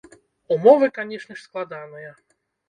Умовы, канешне ж, складаныя.